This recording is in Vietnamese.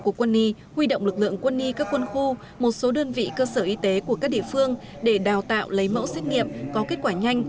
các cơ sở y tế của các địa phương để đào tạo lấy mẫu xét nghiệm có kết quả nhanh